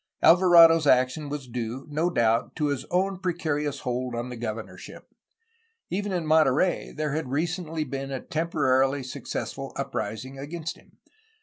Alvarado 's action was due, no doubt, to his own precarious hold on the governorship. Even in Monterey there had recently been a temporarily successful uprising against him.